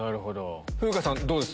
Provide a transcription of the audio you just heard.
風花さんどうです？